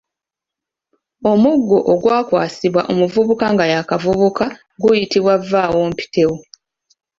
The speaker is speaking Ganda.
Omuggo ogwakwasibwanga omuvubuka nga y'akavubuka guyitibwa vvaawompitewo.